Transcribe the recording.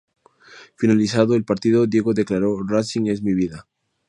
Finalizado el partido, Diego declaró: ""Racing es mi vida.